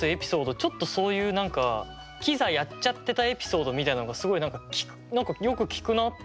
ちょっとそういう何かキザやっちゃってたエピソードみたいなのがすごいよく聞くなって。